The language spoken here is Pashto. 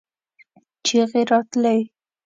چيغې راتلې.